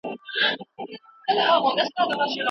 دا لویه ونه د کلونو راهیسې دلته ولاړه ده.